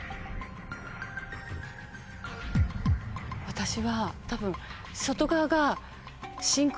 私は多分。